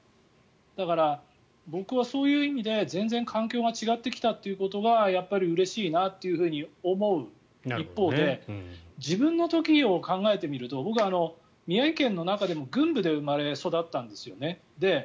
だから、僕はそういう意味で全然環境が違ってきたということがやっぱりうれしいなと思う一方で自分の時を考えてみると僕、宮城県の中でも郡部で生まれ育ったんですよね。